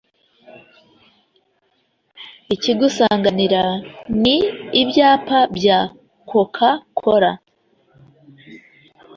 ikigusanganira ni ibyapa bya Coca cola